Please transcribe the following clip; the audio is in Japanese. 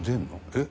「えっ？